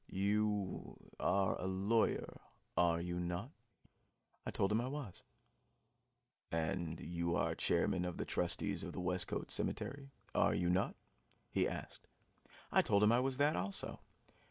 You are a lawyer, are you not?" I told him I was. "And you are chairman of the trustees of the Westcote Cemetery, are you not?" he asked. I told him I was that also.